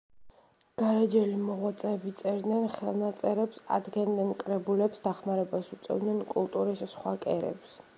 გარეჯელი მოღვაწეები წერდნენ ხელნაწერებს, ადგენდნენ კრებულებს, დახმარებას უწევდნენ კულტურის სხვა კერებს.